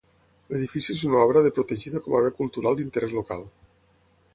L'edifici és una obra de protegida com a Bé Cultural d'Interès Local.